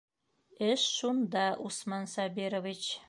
Эш шунда, Усман Сабирович...